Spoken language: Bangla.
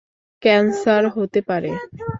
ক্যান্সার হতে পারে।